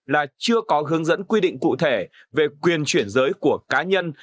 là chưa có hướng dẫn quy định cụ thể về quyền chuyển giới của cá nhân